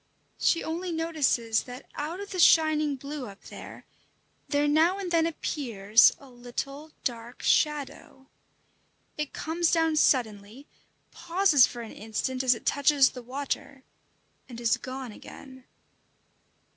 She only notices that out of the shining blue up there, there now and then appears a little dark shadow. It comes down suddenly, pauses for an instant as it touches the water, and is gone again.